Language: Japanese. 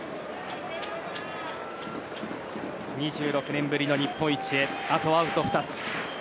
２６年ぶりの日本一へあとアウト２つ。